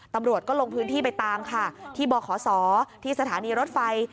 ตำรวจก็ลงพื้นที่ไปตามค่ะที่บขศที่สถานีรถไฟ